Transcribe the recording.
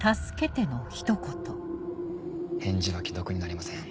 返事は既読になりません